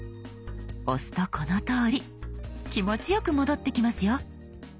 押すとこのとおり気持ちよく戻ってきますよ。